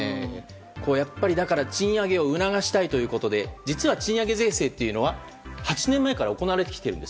やっぱり賃上げを促したいということで実は賃上げ税制は８年前から行われてきているんです。